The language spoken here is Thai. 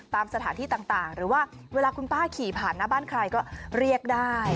ตามสถานที่ต่างหรือว่าเวลาคุณป้าขี่ผ่านหน้าบ้านใครก็เรียกได้